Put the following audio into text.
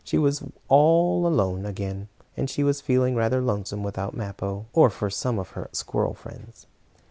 She was all alone again, and she was feeling rather lonesome without Mappo, or for some of her squirrel friends.